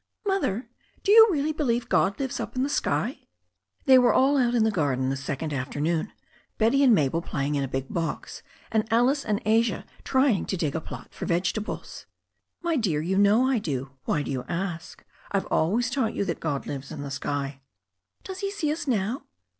"Mother, do you really believe God lives up in the sky?" They were all out in the garden the second afternoon, Betty and Mabel playing in a big box, and Alice and Asia trying to dig a plot for vegetables. "My dear, you know I do. Why do you ask ? I've always taught you that God lives in the sky." "Does He see us now?"